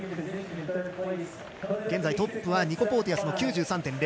現在トップはニコ・ポーティアスの９３．００。